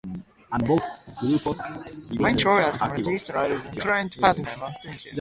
French royalists commonly style the current pretender "Monseigneur".